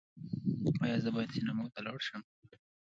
ایا زه باید سینما ته لاړ شم؟